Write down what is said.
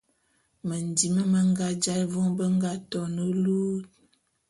Mendim me nga jaé vôm be nga to ne lut.